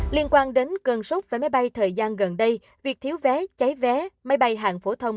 liên quan đến cơn sốc với máy bay thời gian gần đây việc thiếu vé cháy vé máy bay hạng phổ thông